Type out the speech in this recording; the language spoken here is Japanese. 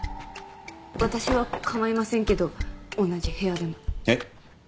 私はかまいませんけど同じ部屋でもえっ？